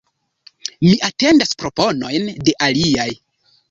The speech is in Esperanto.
Mi atendas proponojn de aliaj.